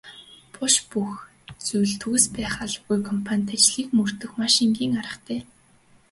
Буш бүх зүйл нь төгс байх албагүй компанит ажлыг мөрдөх маш энгийн аргатай.